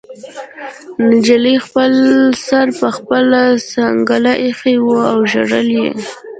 نجلۍ خپل سر په خپله څنګله ایښی و او ژړل یې